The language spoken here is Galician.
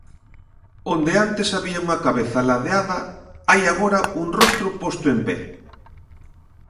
Onde antes había unha cabeza ladeada, hai agora un rostro posto en pé.